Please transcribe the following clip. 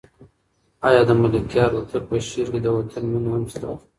آیا د ملکیار هوتک په شعر کې د وطن مینه هم شته؟